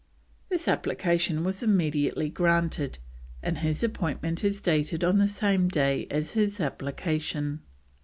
This application was immediately granted, and his appointment is dated on the same day as his application.